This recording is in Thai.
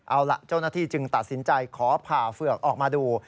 เอาล่ะเจ้าหน้าที่จึงตัดสินใจขอผ่าเฝือกออกมาดู